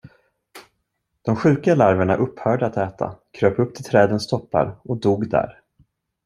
De sjuka larverna upphörde att äta, kröp upp till trädens toppar och dog där.